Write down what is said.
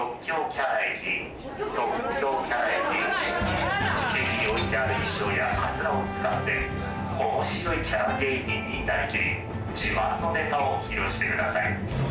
・駅に置いてある衣装やカツラを使って面白いキャラ芸人になりきり自慢のネタを披露してください。